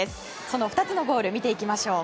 その２つのゴール見ていきましょう。